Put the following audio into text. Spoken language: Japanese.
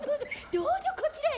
どうぞこちらへ。